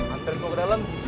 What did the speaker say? anterin gua ke dalem